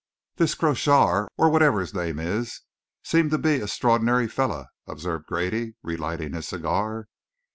"This Croshar or whatever his name is, seems to be a 'strordinary feller," observed Grady, relighting his cigar.